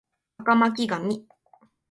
赤巻紙